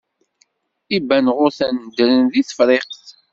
Ibanɣuten ddren deg Tefriqt.